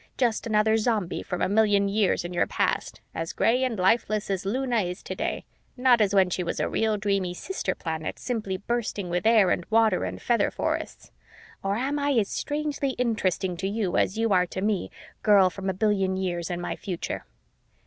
Just another Zombie from a billion years in your past, as gray and lifeless as Luna is today, not as when she was a real dreamy sister planet simply bursting with air and water and feather forests. Or am I as strangely interesting to you as you are to me, girl from a billion years in my future?"